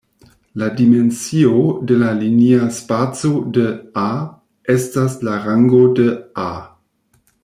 La dimensio de la linia spaco de "A" estas la rango de "A".